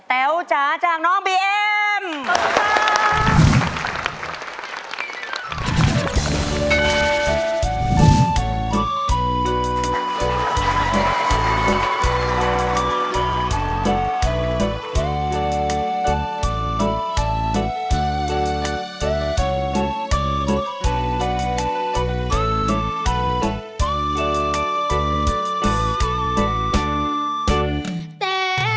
แต๋วจ๋าจากน้องบีเอ็มขอบคุณครับ